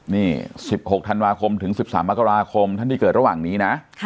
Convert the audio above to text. นี่๑๖ธันวาคมถึง๑๓มกราคมท่านที่เกิดระหว่างนี้นะ